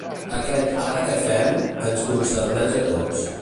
Aquest ‘ara què fem?’ ens concerneix a tots.